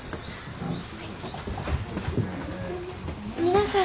皆さん。